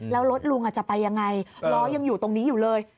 แล้วรถลุงจะไปยังไงล้อยังอยู่ตรงนี้อยู่เลย